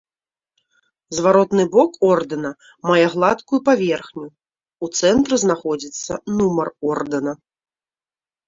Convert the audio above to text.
Зваротны бок ордэна мае гладкую паверхню, у цэнтры знаходзіцца нумар ордэна.